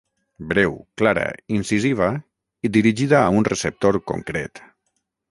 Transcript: Breu, clara, incisiva i dirigida a un receptor concret.